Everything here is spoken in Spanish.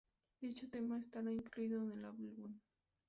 Dicho tema estará incluido en el álbum.